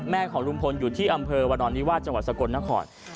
ของลุงพลอยู่ที่อำเภอวรนิวาสจังหวัดสกลนคร